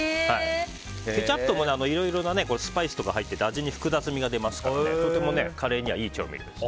ケチャップもいろいろなスパイスとか入っていて味に複雑味が出ますからとてもカレーにはいい調味です。